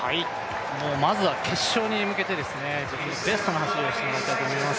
まずは決勝に向けて自分のベストの走りをしてもらいたいと思います。